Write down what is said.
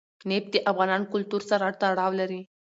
نفت د افغان کلتور سره تړاو لري.